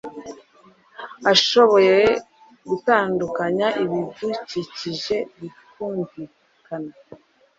ashoboye gutandukanya ibidukikije bikumvikana